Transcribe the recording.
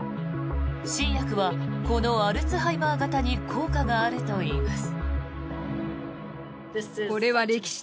新薬はこのアルツハイマー型に効果があるといいます。